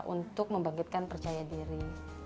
untuk membangkitkan percaya diri